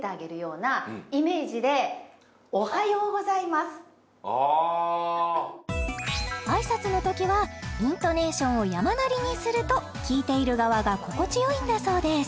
まずはあ挨拶のときはイントネーションをやまなりにすると聞いている側が心地よいんだそうです